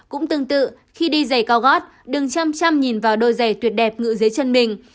cũng tương tự khi đi giày cao gót đừng chăm chăm nhìn vào đôi giày tuyệt đẹp ngự dưới chân mình